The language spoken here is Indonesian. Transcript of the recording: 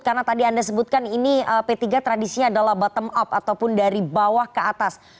karena tadi anda sebutkan ini p tiga tradisinya adalah bottom up ataupun dari bawah ke atas